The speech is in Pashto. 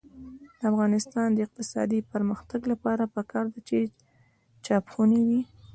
د افغانستان د اقتصادي پرمختګ لپاره پکار ده چې چاپخونې وي.